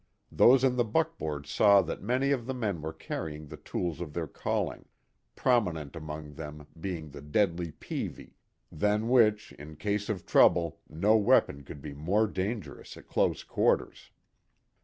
Those in the buckboard saw that many of the men were carrying the tools of their calling, prominent among them being the deadly peavey, than which, in case of trouble, no weapon could be more dangerous at close quarters.